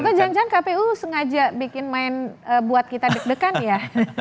itu jangan jangan kpu sengaja bikin main buat kita deg degan ya